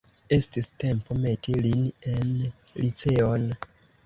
Estis tempo meti lin en liceon.